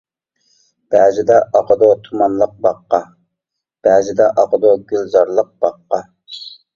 بەزىدە ئاقىدۇ تۇمانلىق باغقا، بەزىدە ئاقىدۇ گۈلزارلىق باغقا.